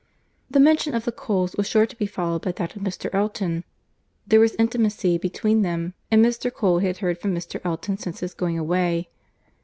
The mention of the Coles was sure to be followed by that of Mr. Elton. There was intimacy between them, and Mr. Cole had heard from Mr. Elton since his going away.